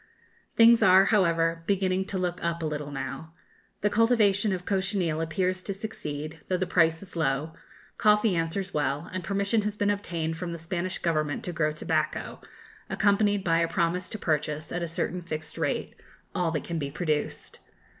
Things are, however, beginning to look up a little now. The cultivation of cochineal appears to succeed, though the price is low; coffee answers well; and permission has been obtained from the Spanish Government to grow tobacco, accompanied by a promise to purchase, at a certain fixed rate, all that can be produced.